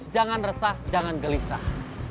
jangan resah jangan gelisah